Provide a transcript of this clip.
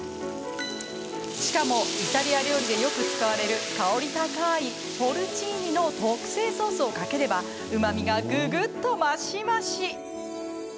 しかも、イタリア料理でよく使われる香り高いポルチーニの特製ソースをかければうまみが、ぐぐっと増し増し。